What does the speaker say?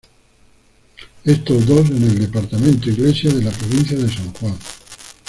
Estos dos en el Departamento Iglesia de la Provincia de San Juan.